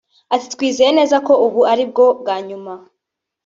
Ati” Twizeye neza ko ubu ari bwo bwa nyuma